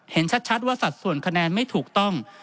เห็นชัดว่าสัดส่วนคะแนนไม่ถูกต้อง